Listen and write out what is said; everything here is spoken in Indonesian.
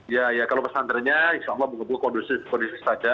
ya ya kalau pesantrennya insya allah mengumpul kondisi saja